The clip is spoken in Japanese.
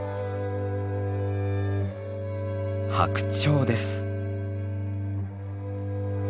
ハクチョウです。